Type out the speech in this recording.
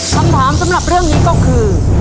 คำถามสำหรับเรื่องนี้ก็คือ